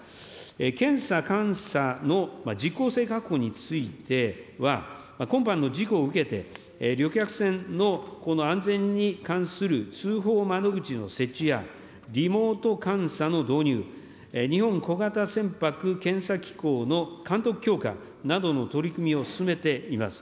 検査・監査の実効性確保については、今般の事故を受けて、旅客船のこの安全に関する通報窓口の設置や、リモート監査の導入、日本小型船舶検査機構の監督強化などの取り組みを進めています。